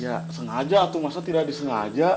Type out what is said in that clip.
ya sengaja atau masa tidak disengaja